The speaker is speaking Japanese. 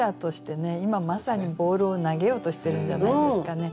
今まさにボールを投げようとしてるんじゃないですかね。